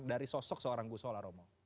dari sosok seorang gusola romo